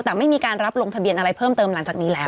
แต่ไม่มีการรับลงทะเบียนอะไรเพิ่มเติมหลังจากนี้แล้ว